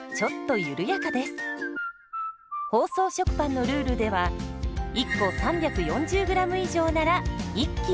包装食パンのルールでは１個３４０ｇ以上なら１斤。